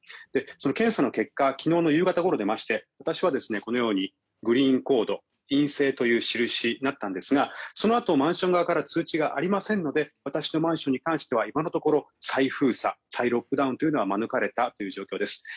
その検査の結果昨日の夕方ごろ出まして私はグリーンコード陰性という印になったんですがそのあと、マンション側から通知がありませんので私のマンションに関しては今のところ再封鎖再ロックダウンは免れたという状況です。